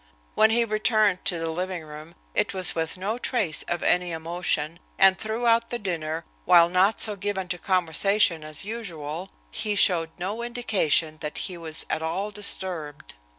When he returned to, the living room, it was with no trace of any emotion, and throughout the dinner, while not so given to conversation as usual, he showed no indication that he was at all disturbed.